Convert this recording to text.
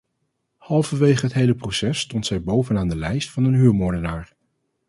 Halverwege het hele proces stond zij bovenaan de lijst van een huurmoordenaar!